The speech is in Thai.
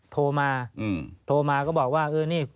โทรมาก็บอกว่า